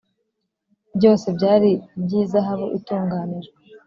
byose byari iby’izahabu itunganijwe